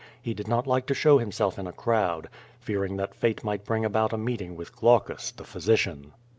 He did not like to show himself in a crowd, fearing that fate might bring about a meeting with Glaucus, the physician.